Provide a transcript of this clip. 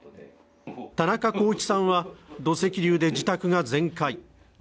田中公一さんは土石流で自宅が全壊。